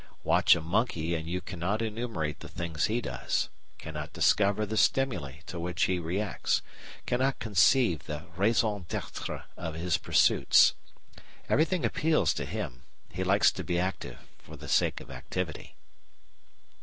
"Watch a monkey and you cannot enumerate the things he does, cannot discover the stimuli to which he reacts, cannot conceive the raison d'etre of his pursuits. Everything appeals to him. He likes to be active for the sake of activity."